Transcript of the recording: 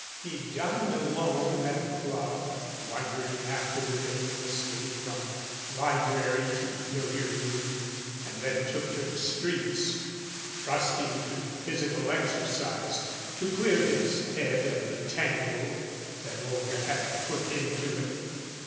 He dined alone at a club, wandering afterward aimlessly from library to billiard room and then took to the streets, trusting to physical exercise to clear his head of the tangle that Olga had put into it.